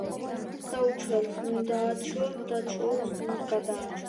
დაუჩვეველს ნუ დააჩვევ, დაჩვეულს ნუ გადააჩვევ